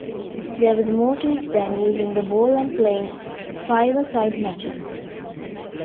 There was more to it than using the ball and playing five-a-side matches.